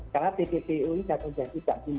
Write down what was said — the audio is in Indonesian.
karena tppu ini tak terjadi